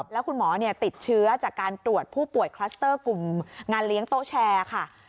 แล้วคุณหมอติดเชื้อจากการตรวจผู้ป่วยคลัสเตอร์กลุ่มงานเลี้ยงโต๊ะแชร์ค่ะ